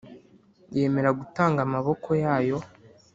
Yemera gutanga amaboko yayo